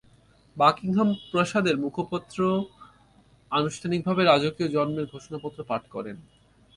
Buckingham প্রাসাদের মুখপত্র আনুষ্ঠানিকভাবে রাজকীয় জন্মের ঘোষণাপত্র পাঠ করেন।